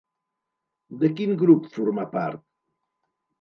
De quin grup formà part?